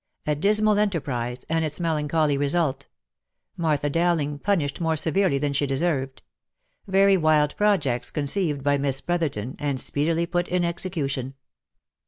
A DISMAL ENTERPRISE, AND ITS MELANCHOLY RESULT MARTHA DOWLING PUNISHED MORE SEVERELY THAN SHE DESERVED VERY WILD PROJECTS CONCEIVED BY MISS BROTHERTON, AND SPEEDILY PUT IN EXECUTION.